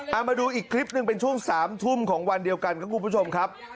เอามาดูอีกคลิปหนึ่งเป็นช่วง๓ทุ่มของวันเดียวกันครับคุณผู้ชมครับ